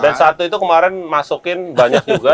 band satu itu kemarin masukin banyak juga